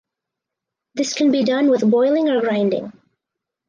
This can be done with boiling or grinding.